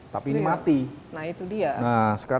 tapi ini mati nah itu dia nah sekarang